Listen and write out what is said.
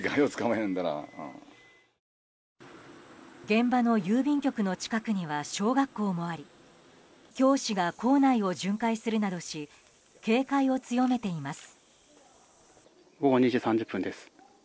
現場の郵便局の近くには小学校もあり教師が校内を巡回するなどし警戒を強めています。